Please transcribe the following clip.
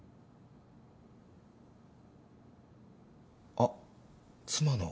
あっ妻の。